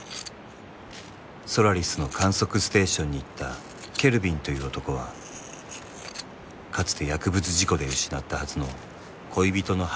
［ソラリスの観測ステーションに行ったケルヴィンという男はかつて薬物事故で失ったはずの恋人のハリーと出会う］